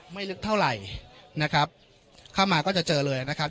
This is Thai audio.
ไม่ลึกเท่าไหร่นะครับเข้ามาก็จะเจอเลยนะครับ